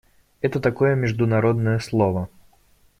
Это такое международное слово.